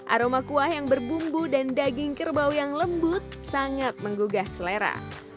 aroma kuah yang berbumbu dan daging kerbau yang lembut sangat menggugah selera